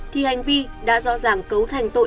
thì hành vi đã rõ ràng cấu thành tội